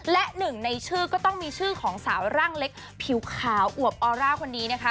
และหนึ่งในชื่อก็ต้องมีชื่อของสาวร่างเล็กผิวขาวอวบออร่าคนนี้นะคะ